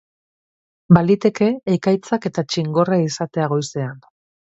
Baliteke ekaitzak eta txingorra izatea goizean.